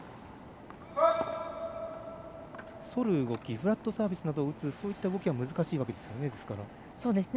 反る動きフラットサービスというようなそういった動きは難しいわけですね。